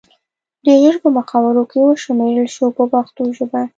ډېر ژر په مخورو کې وشمېرل شو په پښتو ژبه.